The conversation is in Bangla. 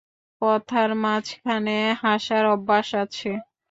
কথার মাঝখানে হাসার অভ্যাস আছে।